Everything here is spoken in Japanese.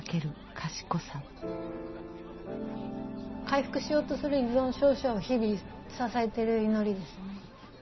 回復しようとする依存症者を日々支えてる祈りですね。